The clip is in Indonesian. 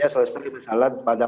selesai misalnya pada